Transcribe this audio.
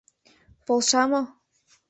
Полша мо?